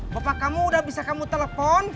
bapak kamu udah bisa kamu telepon